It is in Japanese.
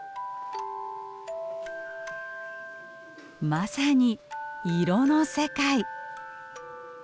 まさに色の世界。